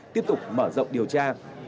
tiếp tục mở rộng điều tra